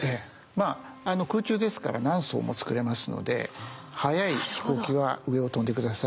まあ空中ですから何層も作れますので速い飛行機は上を飛んで下さい。